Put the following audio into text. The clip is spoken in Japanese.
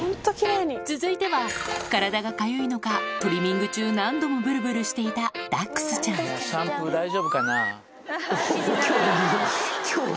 続いては体がかゆいのかトリミング中何度もブルブルしていたダックスちゃんおぉ興味。